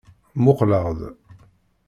Muqleɣ-d!